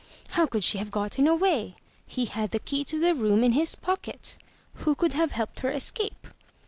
How could she have gotten away? He had the key to the room in his pocket! Who could have helped her escape?